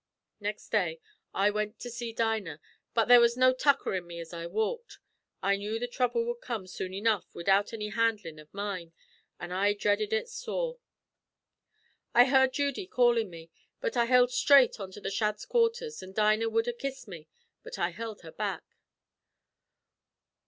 "Nixt day I wint to see Dinah; but there was no tucker in me as I walked. I knew the throuble wud come soon enough widout any handlin' av mine, an' I dreaded ut sore. "I heard Judy callin' me, but I hild straight on to the Shadds' quarthers, an' Dinah wud ha' kissed me, but I hild her back.